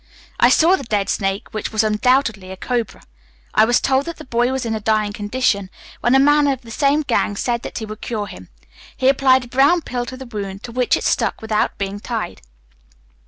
I saw the dead snake, which was undoubtedly a cobra. I was told that the boy was in a dying condition, when a man of the same gang said that he would cure him. He applied a brown pill to the wound, to which it stuck without being tied.